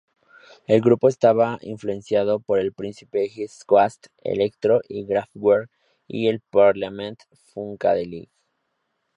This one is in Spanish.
El grupo estaba influenciado por Prince, east coast electro, Kraftwerk y Parliament-Funkadelic.